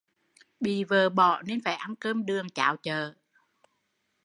Bị vợ bỏ nên phải ăn cơm đường cháo chợ